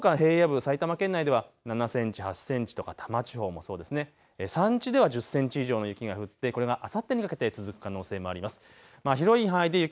そのほか平野部、埼玉県内では７センチ、８センチとか多摩地方も山地では１０センチ以上の雪が降ってこれがあさってにかけて続く可能性もあります。